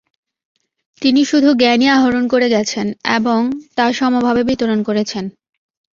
তিনি শুধু জ্ঞানই আহরণ করে গেছেন এবং তা সমভাবে বিতরণ করেছেন।